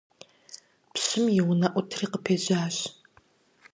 Пщым и унэӀутри къыпежьащ.